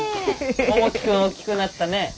百喜君大きくなったね！